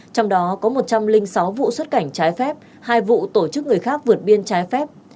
trong đó có một trăm linh sáu vụ xuất cảnh trái phép hai vụ tổ chức người khác vượt biên trái phép